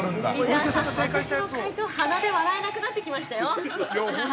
◆伊沢さん、私の解答鼻で笑えなくなってきましたよ。